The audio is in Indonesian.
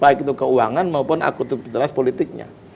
baik itu keuangan maupun akutabilitas politiknya